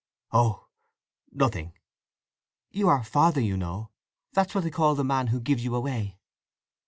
"Oh—nothing!" "You are 'father', you know. That's what they call the man who gives you away."